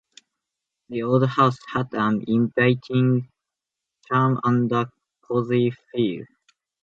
The old house had an inviting charm and a cozy feel.